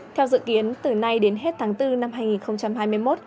theo dự kiến từ nay đến hết tháng bốn năm hai nghìn hai mươi một